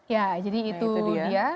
ya jadi itu dia